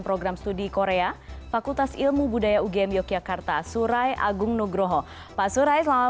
program studi korea fakultas ilmu budaya ugm yogyakarta surai agung nugroho pak surai selamat